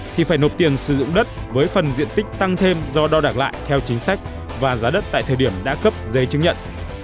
thì phải nộp tiền sử dụng đất với phần diện tích tăng thêm do đo đạc lại theo chính sách và giá đất tại thời điểm đã cấp giấy chứng nhận